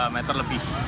dua meter lebih